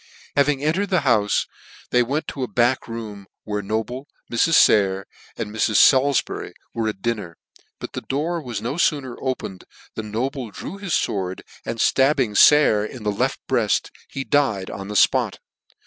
Having entered the houfe, they went to a back room, where Noble, Mrs. bayer, and Mrs. Salif bury where at dinner ; but the door was no fooner opened than Noble drew his fword, and ftabbing Sayer in the left breaft, he died on the fpot.